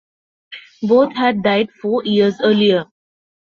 Both had died four years earlier.